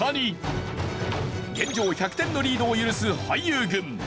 現状１００点のリードを許す俳優軍。